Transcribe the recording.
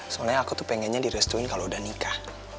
soalnya aku tuh pengennya direstuin kalau udah nikah